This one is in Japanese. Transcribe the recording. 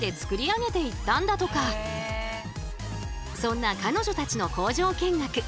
そんな彼女たちの工場見学。